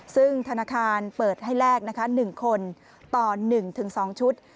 ซึ่งธนาคารเปิดให้แลกนะคะ๑คนต่อ๑๒ชุด